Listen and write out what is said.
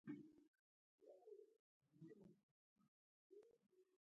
دارالانشأ له سرمنشي او کارمندانو جوړه شوې.